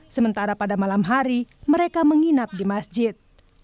sementara pada malam hari mereka menginap di masjid